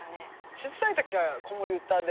ちっさい時は子守唄で。